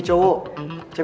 gue cuma pengen ngeri